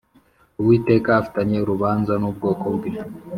Uwiteka afitanye urubanza n ubwoko bwe